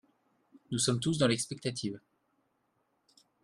Nous sommes tous dans l’expectative